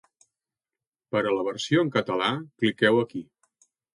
Per a la versió en català cliqueu aquí.